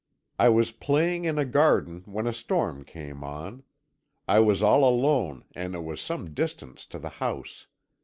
I was playing in a garden when a storm came on. I was all alone, and it was some distance to the house.